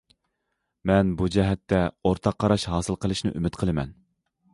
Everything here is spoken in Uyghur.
مەن بۇ جەھەتتە ئورتاق قاراش ھاسىل قىلىشنى ئۈمىد قىلىمەن.